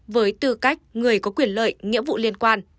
với tư cách người có quyền lợi nghĩa vụ liên quan